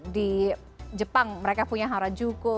di jepang mereka punya harajuku